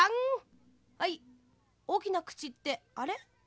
おおきなくちってあれ？